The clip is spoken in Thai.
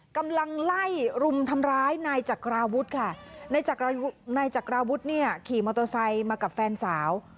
กำลังไล่รุมทำร้ายนายจักราวุฒิค่ะนายจักราวุฒิเนี่ยขี่มอเตอร์ไซค์มากับแฟนสาว